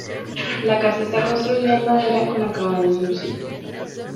La casa está construida en madera con acabado enlucido.